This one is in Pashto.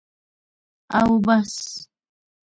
او بس.